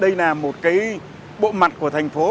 đây là một bộ mặt của thành phố